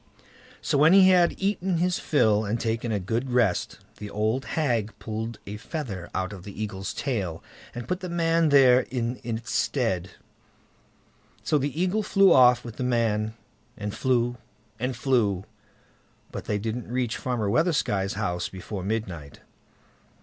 So when he had eaten his fill and taken a good rest, the old hag pulled a feather out of the Eagle's tail, and put the man there in its stead; so the Eagle flew off with the man, and flew, and flew, but they didn't reach Farmer Weathersky's house before midnight.